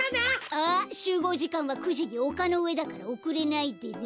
あっしゅうごうじかんは９じにおかのうえだからおくれないでね。